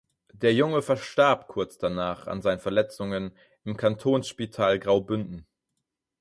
Der Junge verstarb kurz danach an seinen Verletzungen im Kantonsspital Graubünden.